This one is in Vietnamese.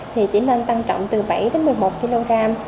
thì chỉ nên tăng trọng từ bảy đến một mươi một kg